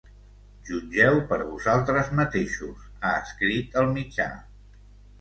Jutgeu per vosaltres mateixos, ha escrit el mitjà.